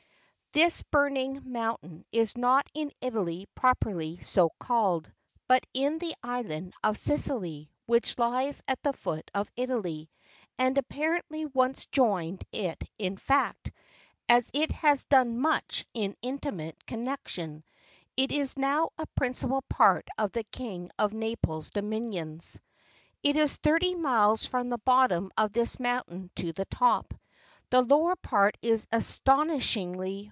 This burning m juntain is not in Italy properly so called, but in the island of Sicily; which lies at the foot of Italy, and apparently once joined it in fact, as it has done much in intimate con¬ nexion : it is now a principal part of the King of Naples' dominions. It is thirty miles from the bottom of this moun tain to the top. The lower part is astonishingly 4G ITALY.